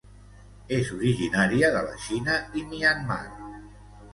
És originària de la Xina i Myanmar.